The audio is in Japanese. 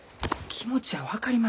気持ちは分かります